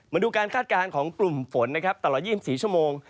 มาดูการคาดการณ์ของกลุ่มฝนนะครับตลอด๒๔ชั่วโมง